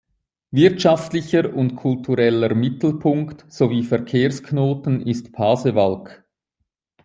Wirtschaftlicher und kultureller Mittelpunkt sowie Verkehrsknoten ist Pasewalk.